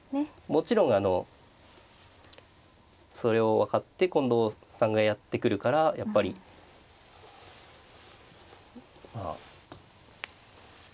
もちろんそれを分かって近藤さんがやってくるからやっぱりまあ大丈夫かなと。